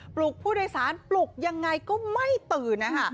ลุกผู้โดยสารปลุกยังไงก็ไม่ตื่นนะคะ